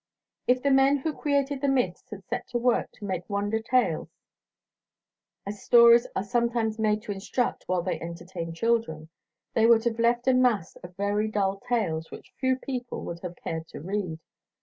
If the men who created the myths had set to work to make wonder tales as stories are sometimes made to instruct while they entertain children, they would have left a mass of very dull tales which few people would have cared to read.